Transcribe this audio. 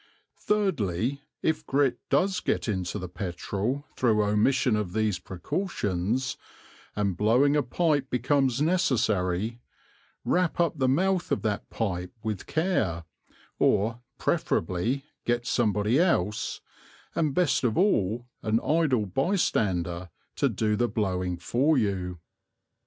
Thirdly, if grit does get into the petrol through omission of these precautions, and blowing a pipe becomes necessary, wrap up the mouth of that pipe with care, or preferably get somebody else, and best of all an idle bystander, to do the blowing for you.